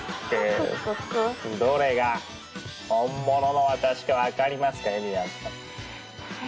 どれが本物の私か分かりますかゆりやんさん。